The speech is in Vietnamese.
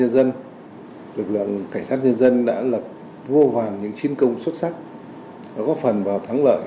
đảng nhà nước khen tặng